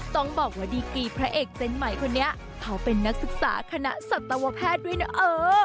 ต้องบอกว่าดีกีพระเอกเซ็นต์ใหม่คนนี้เขาเป็นนักศึกษาคณะสัตวแพทย์ด้วยนะเออ